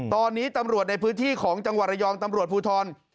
ตอนนี้ตำรวจในพื้นที่ของจังหวัดระยองตำรวจภูทร